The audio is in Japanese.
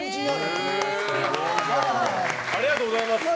ありがとうございます。